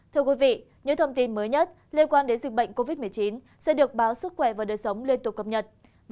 thưa quý vị những thông tin mới nhất liên quan đến dịch bệnh covid một mươi chín sẽ được báo sức khỏe và đời sống liên tục cập nhật